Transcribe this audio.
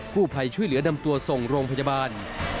ผู้ภัยช่วยเหลือนำตัวส่งโรงพยาบาล